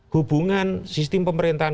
hubungan sistem pemerintahan